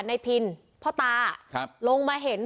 ในปินพ่อตาครับลงมาเห็นพอดี